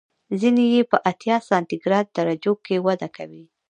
ځینې یې په اتیا سانتي ګراد درجو کې وده کوي.